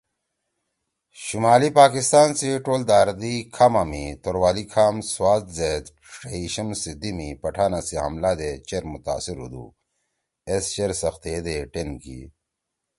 شمالی پاکستان سی ٹول داردی کھاما می توروالی کھام سوات زید ݜیئݜم صدی می پٹھانا سی حملہ دے چیر متاثر ہُودُو۔ ایس چیر سختیِے دے ٹین کی۔